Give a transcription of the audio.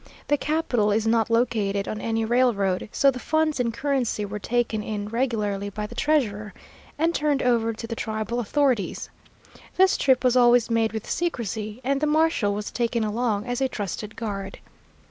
The capital is not located on any railroad; so the funds in currency were taken in regularly by the treasurer, and turned over to the tribal authorities. This trip was always made with secrecy, and the marshal was taken along as a trusted guard.